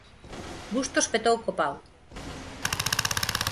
Bustos petou co pau.